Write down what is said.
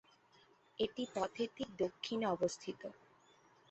এটি পথের ঠিক দক্ষিণে অবস্থিত।